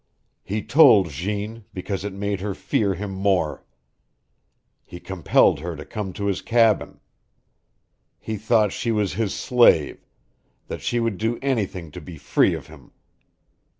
He told Jeanne, because it made her fear him more. He compelled her to come to his cabin. He thought she was his slave, that she would do anything to be free of him.